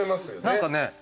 何かね。